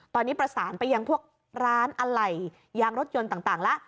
ตอนนี้ประสานไปยังพวกร้านอะไหล่ยางรถยนต์ต่างแล้ว